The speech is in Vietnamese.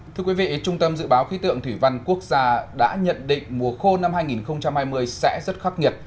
thưa quý vị trung tâm dự báo khí tượng thủy văn quốc gia đã nhận định mùa khô năm hai nghìn hai mươi sẽ rất khắc nghiệt